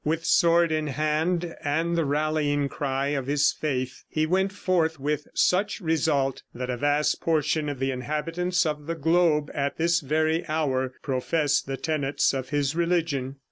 With sword in hand and the rallying cry of his faith he went forth, with such result that a vast proportion of the inhabitants of the globe at this very hour profess the tenets of his religion.